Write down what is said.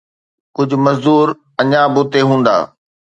ڪجهه مزدور اڃا به اتي هوندا